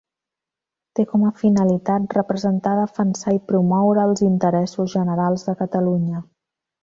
Té com a finalitat representar, defensar i promoure els interessos generals de Catalunya.